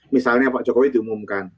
misalnya pak jokowi diumumkan